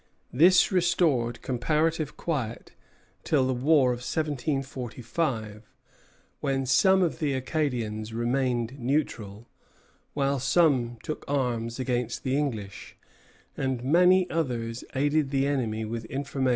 This restored comparative quiet till the war of 1745, when some of the Acadians remained neutral, while some took arms against the English, and many others aided the enemy with information and supplies.